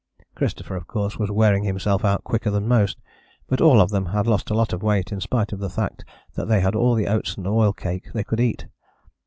Christopher, of course, was wearing himself out quicker than most, but all of them had lost a lot of weight in spite of the fact that they had all the oats and oil cake they could eat.